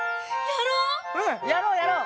やろうやろう！